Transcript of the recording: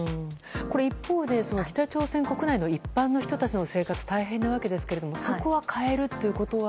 一方で北朝鮮国内の一般の人たちの生活は大変なわけですがそこは変えるということは？